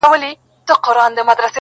اوس مي ګوره دبدبې ته او دربار ته -